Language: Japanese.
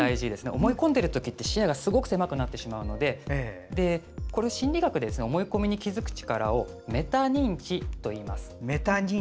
思い込んでいるときって視野が狭くなってしまうのでこれを心理学で思い込みに気付く力を「メタ認知」といいます。